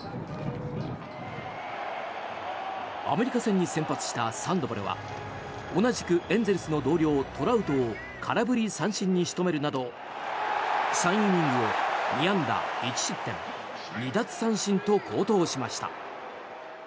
アメリカ戦に先発したサンドバルは同じくエンゼルスの同僚トラウトを空振り三振に仕留めるなど３イニングを２安打１失点２奪三振と好投しました。